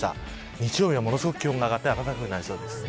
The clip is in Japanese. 日曜日は、ものすごく気温が上がって暖かくなりそうです。